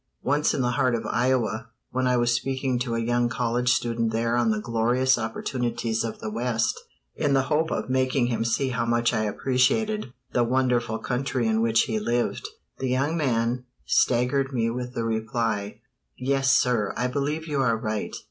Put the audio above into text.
Once in the heart of Iowa, when I was speaking to a young college student there on the glorious opportunities of the West, in the hope of making him see how much I appreciated the wonderful country in which he lived, the young man staggered me with the reply: "Yes, sir, I believe you are right.